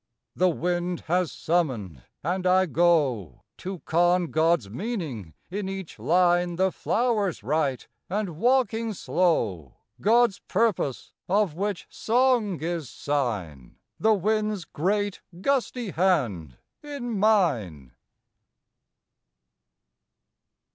The wind has summoned, and I go, To con God's meaning in each line The flowers write, and, walking slow, God's purpose, of which song is sign, The wind's great, gusty hand in mine.